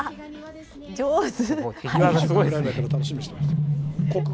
上手。